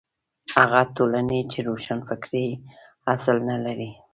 هغه ټولنې چې روښانفکرۍ اصل نه لري.